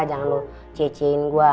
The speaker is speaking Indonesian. jangan lu cieciin gua